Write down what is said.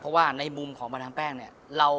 เพราะว่าในมุมของบรรดามแป้งเนี่ย